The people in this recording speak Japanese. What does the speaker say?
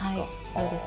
そうです。